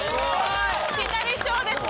ピタリ賞ですね。